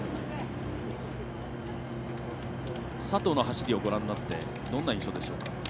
佐藤の走りをご覧になってどんな印象でしょうか？